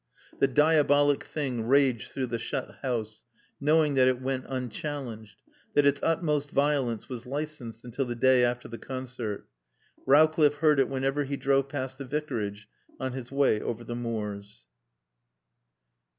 The diabolic thing raged through the shut house, knowing that it went unchallenged, that its utmost violence was licensed until the day after the concert. Rowcliffe heard it whenever he drove past the Vicarage on his way over the moors.